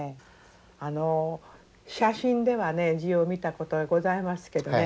あの写真ではね字を見たことがございますけどね